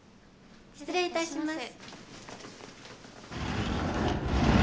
失礼いたします。